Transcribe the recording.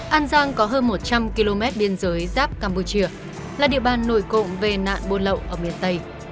an giang có hơn một trăm linh km biên giới giáp campuchia là địa bàn nổi cộng về nạn buôn lậu ở miền tây